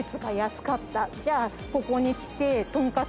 じゃあここに来て。